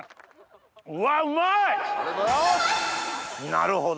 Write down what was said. なるほど。